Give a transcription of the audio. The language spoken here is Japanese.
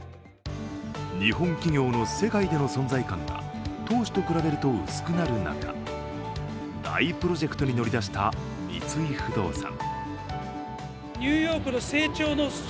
日本企業の世界での存在感が当時と比べると薄くなる中、大プロジェクトに乗り出した三井不動産。